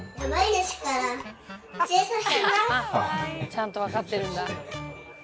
ちゃんと分かってるんだ。